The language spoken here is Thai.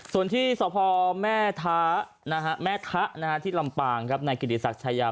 ส่วนที่สภอแม่ทะที่ลำปางในกิติศักดิ์ชายา